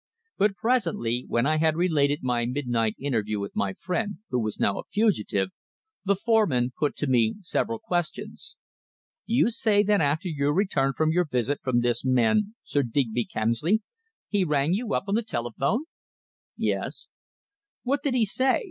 But presently, when I had related my midnight interview with my friend, who was now a fugitive, the foreman put to me several questions. "You say that after your return from your visit from this man, Sir Digby Kemsley, he rang you up on the telephone?" "Yes." "What did he say?"